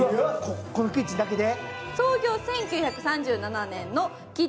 このキッチンだけで？